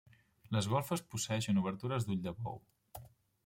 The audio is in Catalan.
Les golfes posseeixen obertures d'ull de bou.